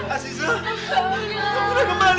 aziza kamu sudah kembali